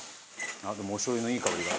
でもおしょう油のいい香りが。